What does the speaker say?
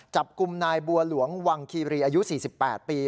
จับกลุ่มนายบัวหลวงวังคีรีอายุ๔๘ปี